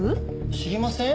知りません？